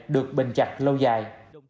được bình chặt lâu dài